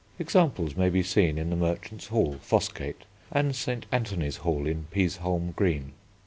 Examples may be seen in the Merchants' Hall, Fossgate, and St. Anthony's Hall in Peaseholm Green.